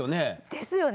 ですよね。